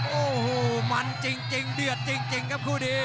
โอ้โหมันจริงจริงเดียดจริงจริงครับคู่ดี